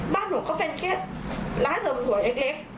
บ้านหนูก็เป็นแค่ร้านเสริมสวยเล็ก